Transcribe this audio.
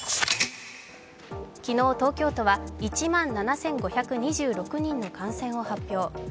今日東京都は１万７５２６人の感染を発表。